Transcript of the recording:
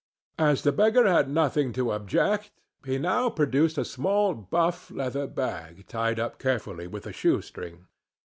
As the beggar had nothing to object, he now produced a small buff leather bag tied up carefully with a shoe string.